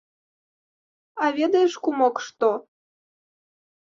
А ведаеш, кумок, што?